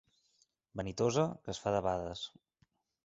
Vanitosa, que es fa de bades.